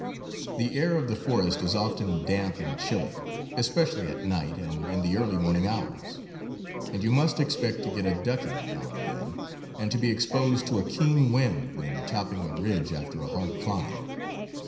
The air of the forest is often damp and chilly, especially at night and in the early morning hours. And you must expect to get a ducking now and then, and to be exposed to a keen wind when topping a ridge after a hard climb.